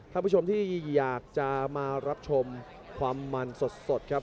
ท่านผู้ชมที่อยากจะมารับชมความมันสดครับ